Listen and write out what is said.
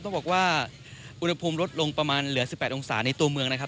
ต้องบอกว่าอุณหภูมิลดลงประมาณเหลือ๑๘องศาในตัวเมืองนะครับ